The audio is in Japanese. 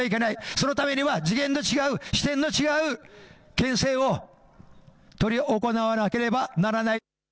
そのためには次元の違う、視点の違う県政を執り行わなければならない。